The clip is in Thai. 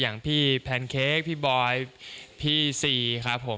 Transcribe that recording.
อย่างพี่แพนเค้กพี่บอยพี่ซีครับผม